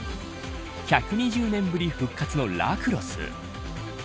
１２０年ぶり復活のラクロス。